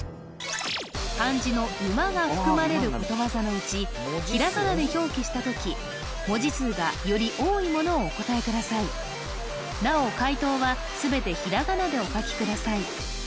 漢字の「馬」が含まれることわざのうちひらがなで表記した時文字数がより多いものをお答えくださいなお解答は全てひらがなでお書きください